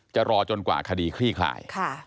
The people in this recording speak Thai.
รอจนกว่าคดีคลี่คลาย